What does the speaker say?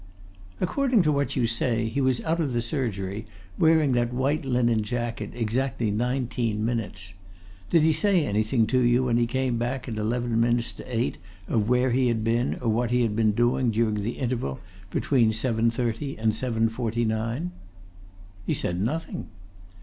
"According to what you say he was out of the surgery, wearing that white linen jacket, exactly nineteen minutes. Did he say anything to you when he came back at eleven minutes to eight of where he had been or what he had been doing during the interval between 7.30 and 7.49?" "He said nothing."